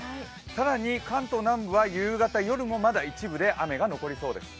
更に関東南部は夕方夜もまだ一部で雨が残りそうです。